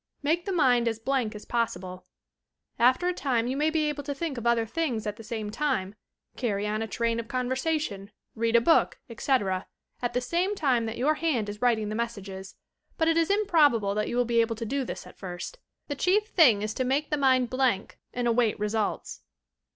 Make the mind as blank as possible. After a time you may be able to think of other things at the same time, carry on a train of conversation, read a book, etc., at the same time that your hand is writing the messages; but it is improbable that you will be able to do this at first. The chief thing ja to make the mind blank and await results.